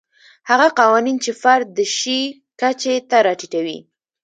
هغه قوانین چې فرد د شي کچې ته راټیټوي.